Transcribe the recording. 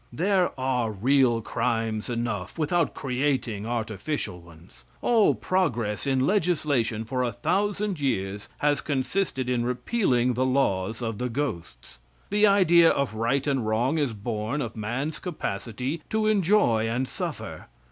There are real crimes enough without creating artificial ones. All progress in legislation for a thousand years has consisted in repealing the laws of the ghosts. The idea of right and wrong is born of man's capacity to enjoy and suffer.